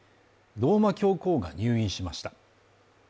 ローマ教皇が入院しました。